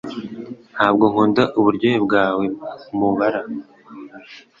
Ntabwo nkunda uburyohe bwawe mubara